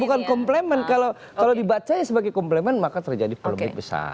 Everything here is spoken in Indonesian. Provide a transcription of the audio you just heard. bukan komplement kalau dibaca sebagai komplement maka terjadi polemik besar